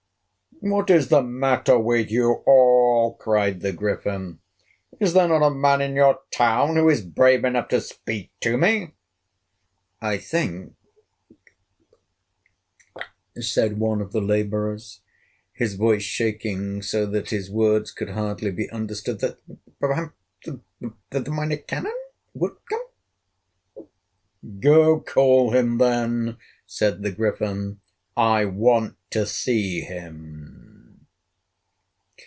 "What is the matter with you all?" cried the Griffin. "Is there not a man in your town who is brave enough to speak to me?" "I think," said one of the laborers, his voice shaking so that his words could hardly be understood, "that perhaps the Minor Canon would come." "Go, call him, then!" said the Griffin; "I want to see him."